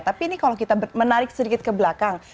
tapi ini kalau kita menarik sedikit ke belakang